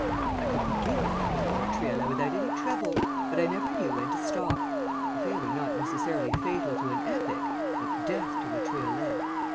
I could begin an epic or a triolet without any trouble; but I never knew when to stop, a failing not necessarily fatal to an epic, but death to a triolet.